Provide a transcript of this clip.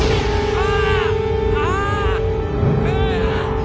ああ！